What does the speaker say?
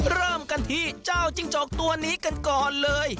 เริ่มกันที่เจ้าจิ้งจกตัวนี้กันก่อนเลย